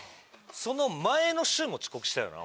その前の週も遅刻したよな？